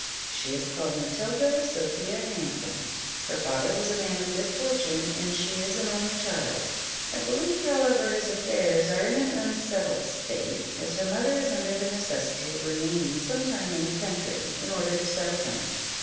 _ She is called Matilda Sophia Hanson: her father was a man of good fortune, and she is an only child; I believe, however, his affairs are in an unsettled state, as her mother is under the necessity of remaining some time in the country, in order to settle them.